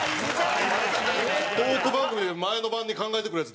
トーク番組で、前の晩に考えてくるヤツ